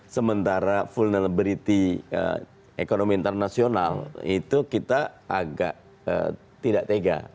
sementara vulnerability ekonomi internasional itu kita agak tidak tega